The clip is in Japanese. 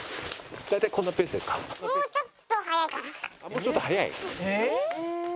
もうちょっと速い？